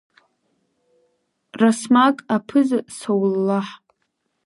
Расмаг Аԥыза Соулаҳ!